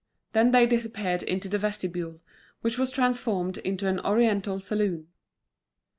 Then they disappeared in the vestibule, which was transformed into an oriental saloon.